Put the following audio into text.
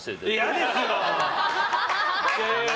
嫌ですよ！